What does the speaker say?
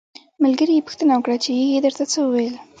ملګري یې پوښتنه وکړه چې یږې درته څه وویل.